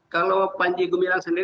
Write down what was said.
kalau panji gumilang sendiri